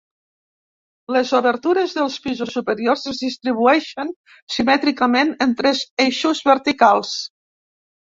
Les obertures dels pisos superiors es distribueixen simètricament en tres eixos verticals.